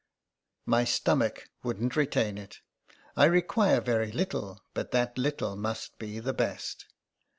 " My stomach wouldn't retain it. I require very little, but that little must be the best."